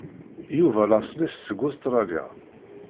Yuba laṣel-is seg Ustṛalya.